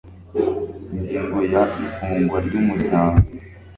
ingingo ya ifungwa ry umuryango